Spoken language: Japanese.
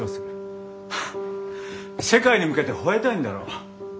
ハッ世界に向けてほえたいんだろう？